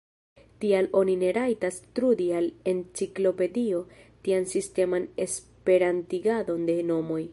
Tial oni ne rajtas trudi al enciklopedio tian sisteman esperantigadon de nomoj.